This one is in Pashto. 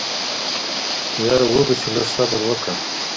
يره وبه شي لږ صبر وکه.